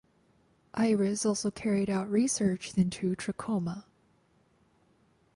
Ayres also carried out research into trachoma.